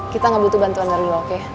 kita gak butuh bantuan dari lo oke